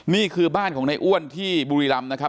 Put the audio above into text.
นี่คือบ้านของในอ้วนที่บุรีรำนะครับ